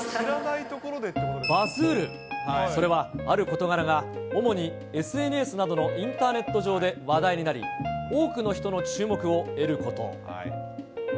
それは、ある事柄が主にＳＮＳなどのインターネット上で話題になり、多くの人の注目を得ること。